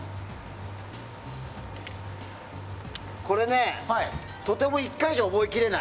これね、とても１回じゃ覚えきれない。